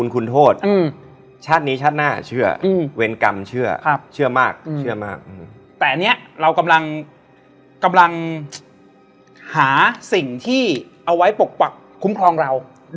ก็มีรูปเขาเรียกว่าอะไรอย่าบอกนะ